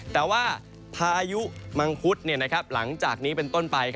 แต่ว่าพายุมังคุดหลังจากนี้เป็นต้นไป